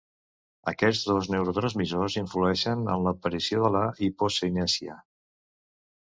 Aquests dos neurotransmissors influeixen en l'aparició de la hipocinèsia.